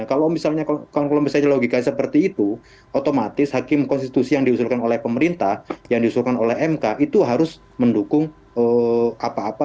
kalau misalnya logika seperti itu otomatis hakim konstitusi yang diusulkan oleh pemerintah yang diusulkan oleh mk itu harus mendukung apa apa